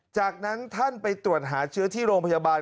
จากนั้นท่านไปตรวจหาเชื้อที่โรงพยาบาล